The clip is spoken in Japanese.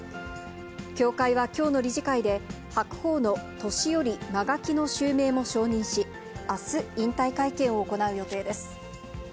協会はきょうの理事会で、白鵬の年寄・間垣の襲名も承認し、あす引退会見を行う予定です。